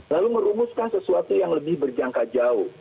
lalu merumuskan sesuatu yang lebih berjangka jauh